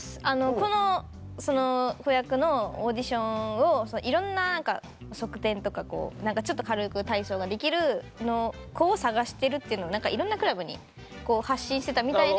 この子役のオーディションをいろんな何か側転とかちょっと軽く体操ができる子を探してるっていうのをいろんなクラブに発信してたみたいで。